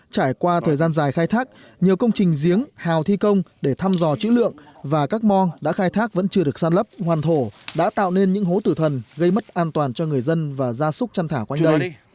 trải qua thời gian dài khai thác nhiều công trình giếng hào thi công để thăm dò chữ lượng và các mo đã khai thác vẫn chưa được săn lấp hoàn thổ đã tạo nên những hố tử thần gây mất an toàn cho người dân và gia súc chăn thả quanh đây